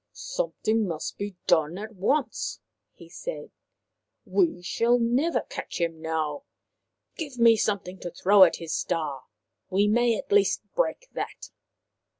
" Something must be done at once," he said. " We shall never catch him now. Give me something to throw at his star. We may at least break that."